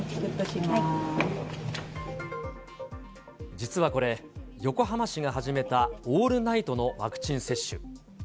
実はこれ、横浜市が始めたオールナイトのワクチン接種。